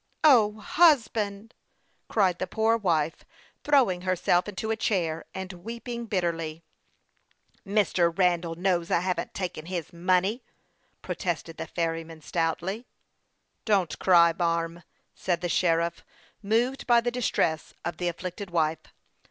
" O, husband !" cried the poor wife, throwing her self into a chair and weeping bitterly. " Mr. Randall knows I haven't taken his money," protested the ferryman, stoutly. " Don't cry, marm," said the sheriff, moved by the distress of the afflicted wife.